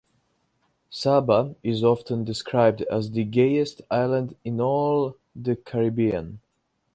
Saba is often described as "the gayest island in all the Caribbean".